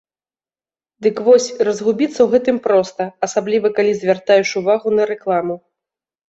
Дык вось, разгубіцца ў гэтым проста, асабліва калі звяртаеш увагу на рэкламу.